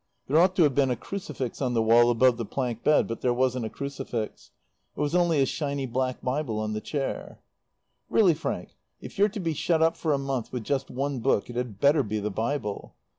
There ought to have been a crucifix on the wall above the plank bed, but there wasn't a crucifix. There was only a shiny black Bible on the chair. "Really Frank, if you're to be shut up for a month with just one book, it had better be the Bible.